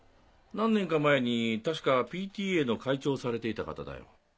何年か前に確かＰＴＡの会長をされていた方だよ。